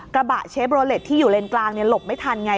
กระบะเชฟโรเล็ตที่อยู่เลนกลางหลบไม่ทันไง